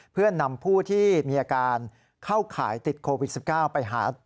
เพื่อนำผู้ที่มีอาการเข้าข่ายติดโควิด๑๙ไปหา